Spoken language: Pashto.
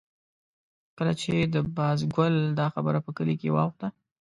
کله چې د بازګل دا خبره په کلي کې واوښته.